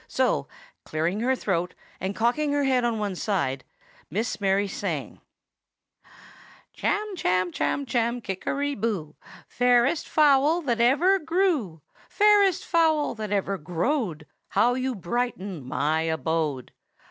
So, clearing her throat, and cocking her head on one side, Miss Mary sang:— "'Chamchamchamchamkickeryboo, Fairest fowl that ever grew, Fairest fowl that ever growed, How you brighten my abode!